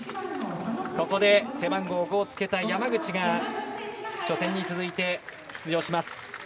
ここで背番号５をつけた山口が初戦に続いて出場します。